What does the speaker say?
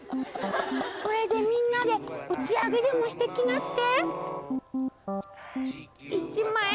これでみんなで打ち上げでもしてきなって？